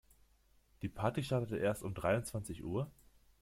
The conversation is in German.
Die Party startete erst um dreiundzwanzig Uhr?